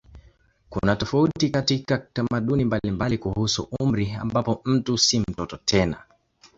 Kuna tofauti katika tamaduni mbalimbali kuhusu umri ambapo mtu si mtoto tena.